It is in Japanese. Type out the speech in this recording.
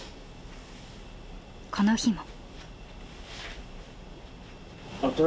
この日も。